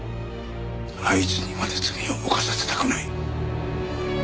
あいつにまで罪を犯させたくない。